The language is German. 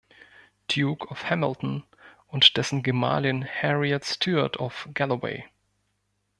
Duke of Hamilton und dessen Gemahlin Harriet Stewart of Galloway.